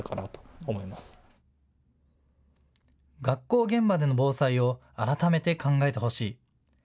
学校現場での防災を改めて考えてほしい。